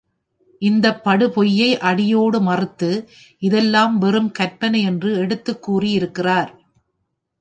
இந்தப் படுபொய்யை அடியோடு மறுத்து, இதெல்லாம் வெறும் கற்பனை என்று எடுத்துக்கூறி இருக்கிறார்.